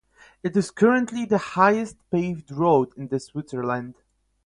It is currently the highest paved road in Switzerland.